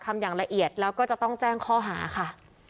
อย่างละเอียดแล้วก็จะต้องแจ้งข้อหาค่ะ